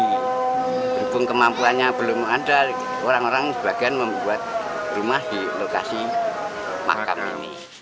berhubung kemampuannya belum ada orang orang sebagian membuat rumah di lokasi makam ini